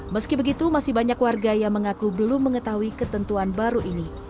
meski begitu masih banyak warga yang mengaku belum mengetahui ketentuan baru ini